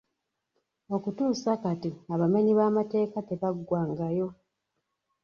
Okutuusa kati abamenyi b’amateeka tebaggwangayo.